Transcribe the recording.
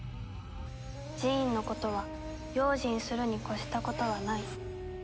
「ジーンのことは用心するにこしたことはない」